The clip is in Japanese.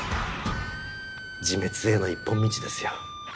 自滅への一本道ですよ。